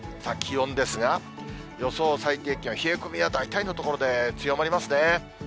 気温ですが、予想最低気温、冷え込みは大体の所で強まりますね。